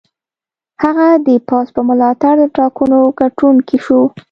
هغه د پوځ په ملاتړ د ټاکنو ګټونکی شو.